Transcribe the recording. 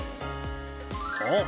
そう。